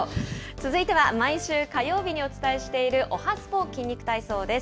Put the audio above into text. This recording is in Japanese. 続いては毎週火曜日にお伝えしているおはＳＰＯ筋肉体操です。